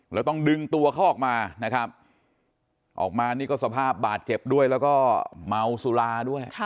แล้วต้องดึงตัวเขาออกมานะครับออกมานี่ก็สภาพบาดเจ็บด้วยแล้วก็เมาสุราด้วย